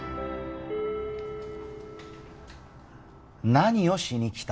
何をしに来た？